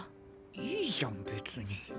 いいじゃん別に。